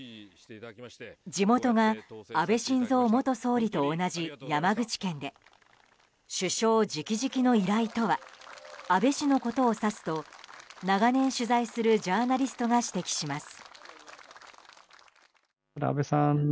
地元が安倍晋三元総理と同じ山口県で首相直々の依頼とは安倍氏のことを指すと長年、取材するジャーナリストが指摘します。